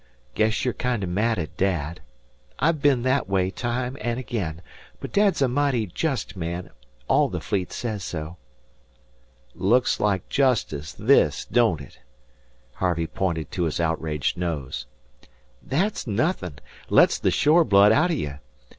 'Guess you're kinder mad at dad. I've been that way time an' again. But dad's a mighty jest man; all the fleet says so." "Looks like justice, this, don't it?" Harvey pointed to his outraged nose. "Thet's nothin'. Lets the shore blood outer you.